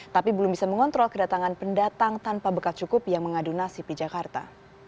tapi belum bisa mengontrol kedatangan pendatang tanpa bekas cukup yang mengaduna sipi jakarta